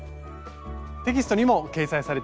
テキストにも掲載されています。